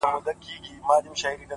هره هڅه د بریا پر لور ګام دی,